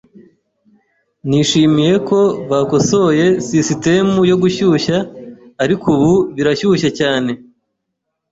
Nishimiye ko bakosoye sisitemu yo gushyushya, ariko ubu birashyushye cyane.